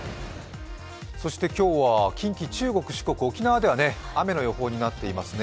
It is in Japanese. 今日は近畿、中国、四国沖縄では雨の予報になっていますね。